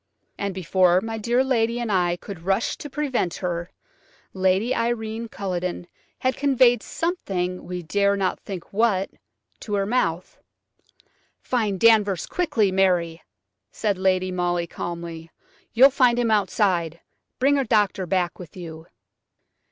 And before my dear lady and I could rush to prevent her, Lady Irene Culledon had conveyed something–we dared not think what–to her mouth. "Find Danvers quickly, Mary!" said Lady Molly, calmly. "You'll find him outside. Bring a doctor back with you."